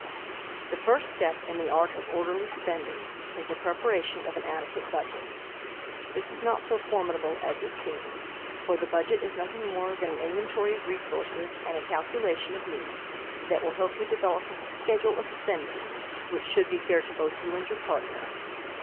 The first step in the art of orderly spending is the preparation of an adequate budget. This is not so formidable as it seems, for the budget is nothing more than an inventory of resources and a calculation of needs that will help you develop a schedule of spending which should be fair to both you and your partner.